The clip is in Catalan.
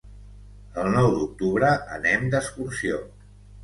El nou d'octubre anem d'excursió.